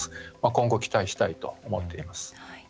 今後期待したいと思っています。